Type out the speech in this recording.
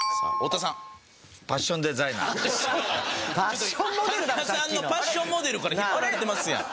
田中さんのパッションモデルから引っ張られてますやん。